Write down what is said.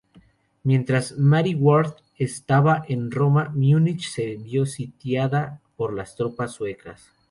Mientras Mary Ward estaba en Roma, Múnich se vio sitiada por las tropas suecas.